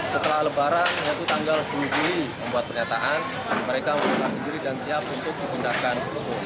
mereka membuat pernyataan sendiri dan siap untuk dikendalikan